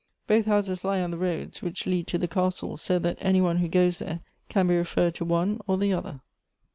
Both houses lie on the road which lead to the castle, so that any one who goes there can be referred to one or the other.